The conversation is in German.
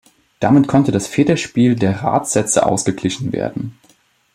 Damit konnte das Federspiel der Radsätze ausgeglichen werden.